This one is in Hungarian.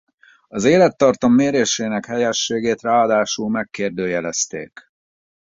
Az élettartam mérésének helyességét ráadásul megkérdőjelezték.